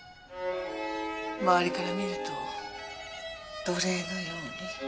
周りから見ると奴隷のように。